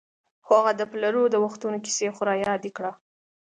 خو هغه د پلرو د وختونو کیسې خو رایادې کړه.